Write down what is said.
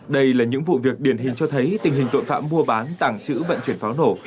đây là những vụ việc điển hình cho thấy tình hình tội phạm mua bán tàng trữ vận chuyển pháo nổ